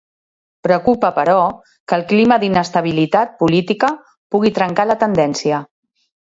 Preocupa però, que el clima d'inestabilitat política pugui trencar la tendència.